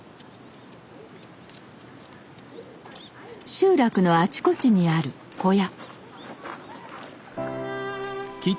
集落のあちこちにある小屋。